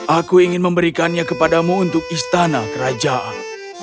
aku ingin memberikannya kepadamu untuk istana kerajaan